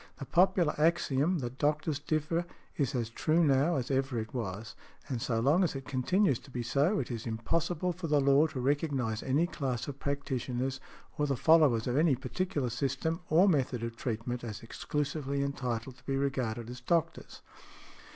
The popular axiom that doctors differ is as true now as ever it was, and so long as it continues to be so, it is impossible for the law to recognize any class of practitioners, or the followers of any particular system, or method of treatment, as exclusively entitled to be regarded as "doctors" .